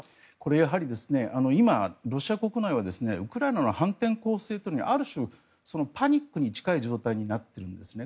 やはり、今ロシア国内はウクライナの反転攻勢というのにある種、パニックに近い状態になっているんですね。